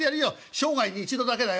生涯に一度だけだよ。